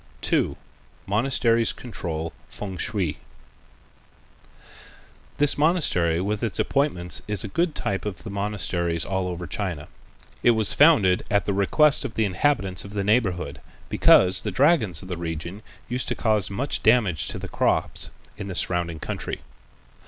2. Monasteries Control Fêng shui This monastery with its appointments is a good type of the monasteries all over China. It was founded at the request of the inhabitants of the neighborhood, because the dragons of the region used to cause much damage to the crops in the surrounding country.